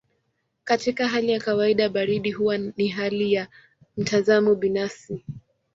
Katika hali ya kawaida baridi huwa ni hali ya mtazamo binafsi.